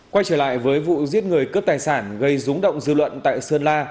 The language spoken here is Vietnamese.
quay trở lại với vụ giết người cướp tài sản gây rúng động dư luận tại sơn la